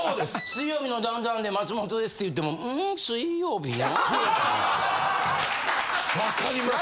「『水曜日のダウンタウン』で松本です」って言っても「ん？水曜日の」みたいな。わかります。